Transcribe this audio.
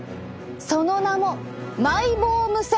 その名もマイボーム腺！